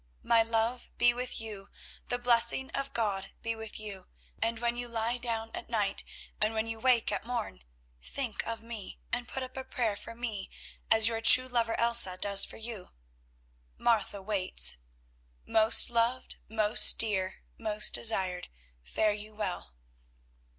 My love be with you, the blessing of God be with you, and when you lie down at night and when you wake at morn, think of me and put up a prayer for me as your true lover Elsa does for you. Martha waits. Most loved, most dear, most desired, fare you well."